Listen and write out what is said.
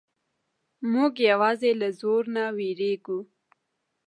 موږ یوازې له زور نه وېریږو.